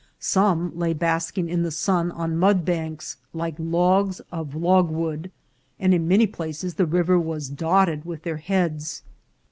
Some lay basking in the sun on mudbanks, like logs of drift wood, and in many places the river was dotted with their heads.